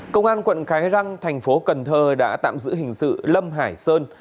công an quận cái răng thành phố cần thơ đã tạm giữ hình sự lâm hải sơn